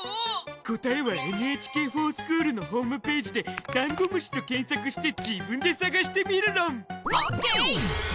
答えは「ＮＨＫｆｏｒＳｃｈｏｏｌ」のホームぺージでダンゴムシと検索して自分で探してみるろん！ＯＫ！